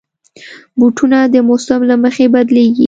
بوټونه د موسم له مخې بدلېږي.